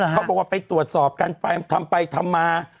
เขาบอกว่าไปตรวจสอบกันไปทำไปทำมา